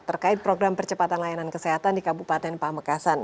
terkait program percepatan layanan kesehatan di kabupaten pamekasan